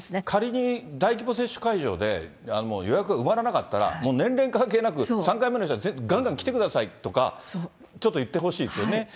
仮に大規模接種会場で、予約が埋まらなかったら、もう年齢関係なく、３回目の人はがんがん来てくださいとか、ちょっと言ってほしいですよね。